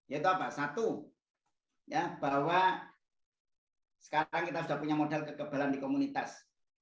yaitu apa satu bahwa sekarang kita sudah punya modal kekebalan di komunitas